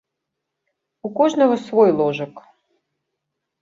У кожнага свой ложак.